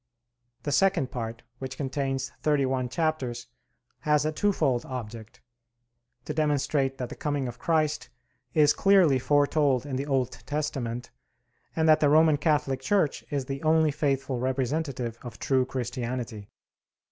The second part, which contains thirty one chapters, has a twofold object: to demonstrate that the coming of Christ is clearly foretold in the Old Testament, and that the Roman Catholic Church is the only faithful representative of true Christianity.